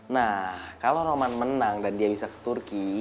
nah kalau roman menang dan dia bisa ke turki